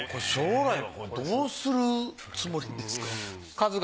将来はどうするつもりですか？